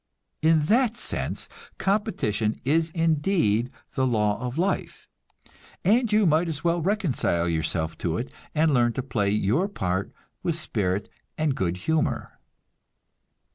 In that sense, competition is indeed the law of life, and you might as well reconcile yourself to it, and learn to play your part with spirit and good humor.